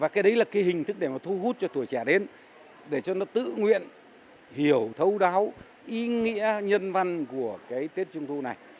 cái đấy là cái hình thức để mà thu hút cho tuổi trẻ đến để cho nó tự nguyện hiểu thấu đáo ý nghĩa nhân văn của cái tết trung thu này